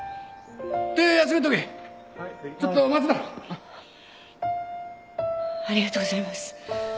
ありがとうございます。